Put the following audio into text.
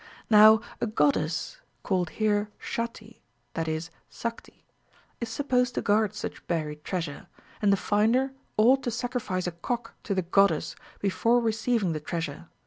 Now a goddess (called here Shatti, i.e., Sakti) is supposed to guard such buried treasure, and the finder ought to sacrifice a cock to the goddess before receiving the treasure.